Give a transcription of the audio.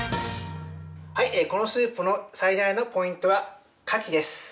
◆このスープの最大のポイントはカキです。